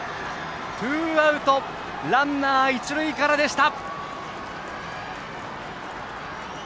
ツーアウトランナー、一塁からでした。